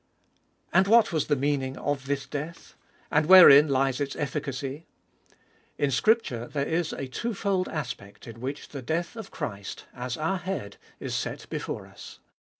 And what was the meaning of this death? And wherein lies its efficacy ? In Scripture there is a twofold aspect in which so Gbe tboliest of ail the death of Christ, as our Head, is set before us.